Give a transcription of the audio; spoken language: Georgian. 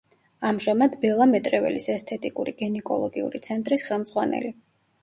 ამჟამად, ბელა მეტრეველის ესთეტიკური გინეკოლოგიური ცენტრის ხელმძღვანელი.